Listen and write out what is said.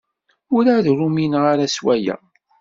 Werɛad ur umineɣ ara s waya.